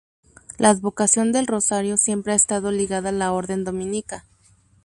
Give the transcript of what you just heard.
La advocación del "rosario" siempre ha estado ligada a la Orden Dominica.